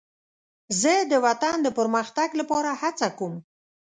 زه د وطن د پرمختګ لپاره هڅه کوم.